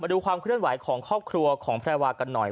ดูความเคลื่อนไหวของครอบครัวของแพรวากันหน่อย